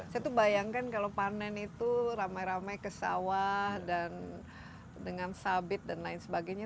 saya tuh bayangkan kalau panen itu ramai ramai ke sawah dan dengan sabit dan lain sebagainya